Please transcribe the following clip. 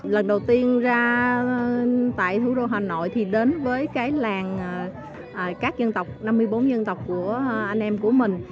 lần đầu tiên ra tại thủ đô hà nội thì đến với cái làng các dân tộc năm mươi bốn dân tộc của anh em của mình